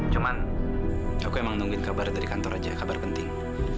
cuman aku emang nungguin kabar dari kantor aja kabar penting